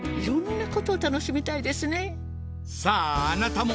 さああなたも！